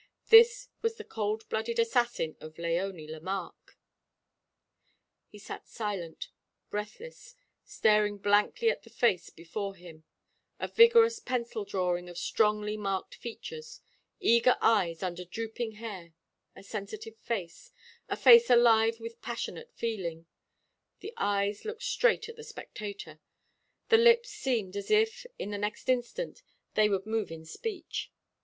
This was the cold blooded assassin of Léonie Lemarque. He sat silent, breathless, staring blankly at the face before him: a vigorous pencil drawing of strongly marked features, eager eyes under drooping hair, a sensitive face, a face alive with passionate feeling. The eyes looked straight at the spectator; the lips seemed as if, in the next instant, they would move in speech.